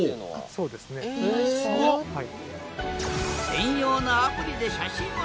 そうですねはい。